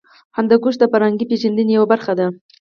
هندوکش د فرهنګي پیژندنې یوه برخه ده.